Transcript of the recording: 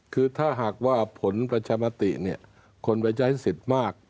คือถ้าหากว่าผลประชามติคนไปใช้สิทธิ์มาก